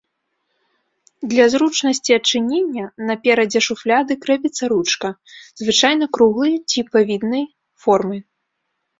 Для зручнасці адчынення, на перадзе шуфляды крэпіцца ручка, звычайна круглай ці п-віднай формы.